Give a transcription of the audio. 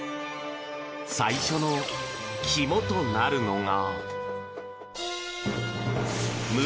最初の肝となるのが。